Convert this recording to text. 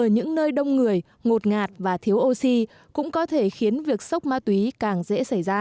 người ngột ngạt và thiếu oxy cũng có thể khiến việc sốc ma túy càng dễ xảy ra